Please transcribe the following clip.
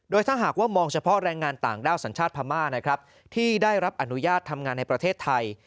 ถ้าหากว่ามองเฉพาะแรงงานต่างด้าวสัญชาติพม่านะครับที่ได้รับอนุญาตทำงานในประเทศไทย